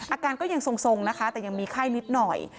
อาการก็ยังทรงนะคะแต่ยังมีไข้นิดหน่อย